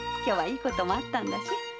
今日はいいこともあったんだし。